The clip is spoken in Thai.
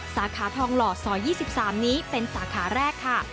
สาขาทองหล่อซอย๒๓นี้เป็นสาขาแรกค่ะ